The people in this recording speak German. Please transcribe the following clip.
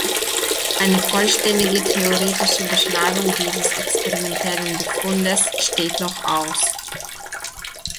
Eine vollständige theoretische Beschreibung dieses experimentellen Befundes steht noch aus.